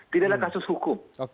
tidak ada kasus hukum